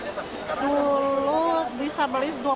sayangnya hampir naik sih semua barang juga